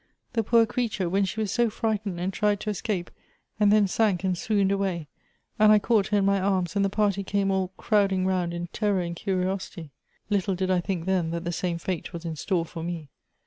The poor creature, when she was so frightened and tried to escape, and then sank and swooned away, and I caught her in ray arms, and the party came all crowding round in ten or and curi osity ! little did I think, then, that the same flite was in store for me.